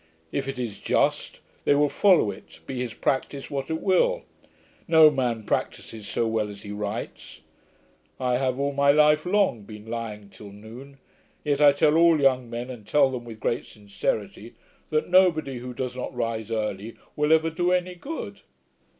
If it is just, they will follow it, be his practice what it will. No man practises so well as he writes. I have, all my life long, been lying till noon; yet I tell all young men, and tell them with great sincerity, that nobody who does not rise early will ever do any good.